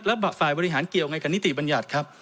แล้วฝ่ายบริหารเกี่ยวอย่างไรกับนิติบรรยัติครับ